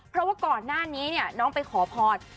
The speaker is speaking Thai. เพราะว่าก่อนหน้านี้เนี่ยน้องไปขอพร